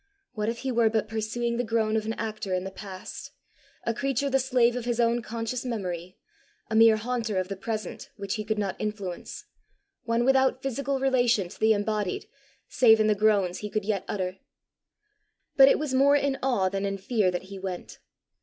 What if he were but pursuing the groan of an actor in the past a creature the slave of his own conscious memory a mere haunter of the present which he could not influence one without physical relation to the embodied, save in the groans he could yet utter! But it was more in awe than in fear that he went.